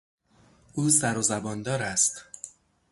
او سر و زباندار است.